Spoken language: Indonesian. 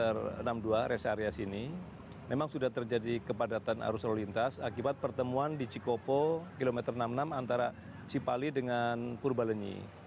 r enam puluh dua rest area sini memang sudah terjadi kepadatan arus lalu lintas akibat pertemuan di cikopo kilometer enam puluh enam antara cipali dengan purbalenyi